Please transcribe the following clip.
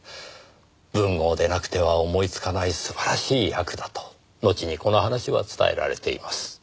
文豪でなくては思いつかない素晴らしい訳だと後にこの話は伝えられています。